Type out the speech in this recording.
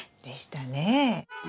でしたね。